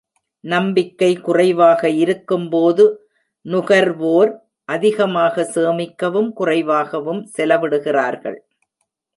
நம்பிக்கை குறைவாக இருக்கும்போது, நுகர்வோர் அதிகமாக சேமிக்கவும் குறைவாகவும் செலவிடுகிறார்கள்.